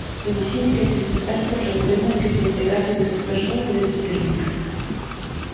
Imaxine que eses expertos recomendan que se integrasen esas persoas nese servizo.